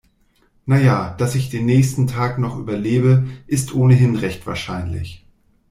Na ja, dass ich den nächsten Tag noch überlebe, ist ohnehin recht wahrscheinlich.